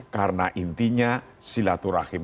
karena intinya silaturahim